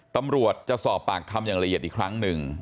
ตำรวจจะสอบปากคำอย่างละเอียดอีกครั้งหนึ่ง